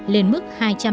lên mức hai trăm năm mươi